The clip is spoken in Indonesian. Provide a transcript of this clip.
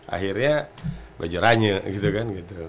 akhirnya baju ranya gitu kan gitu